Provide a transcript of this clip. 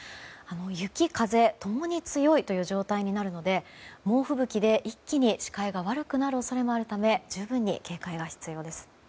雪、風ともに強いという状態になるので猛吹雪で一気に視界が悪くなる恐れもあるため十分に警戒が必要です。